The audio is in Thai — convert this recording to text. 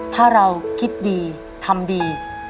ถ้าเราคิดดีทำดี